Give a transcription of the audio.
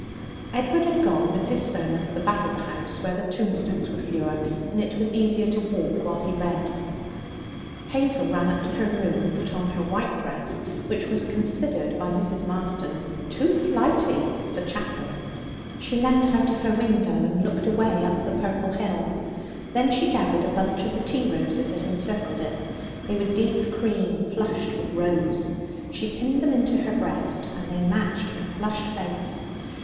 Edward had gone with his sermon to the back of the house where the tombstones were fewer and it was easier to walk while he read. Hazel ran up to her room and put on her white dress, which was considered by Mrs. Marston 'too flighty' for chapel. She leant out of her window and looked away up the purple hill. Then she gathered a bunch of the tea roses that encircled it. They were deep cream flushed with rose. She pinned them into her breast, and they matched her flushed face.